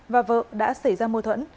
và vợ đã xảy ra mô thuẫn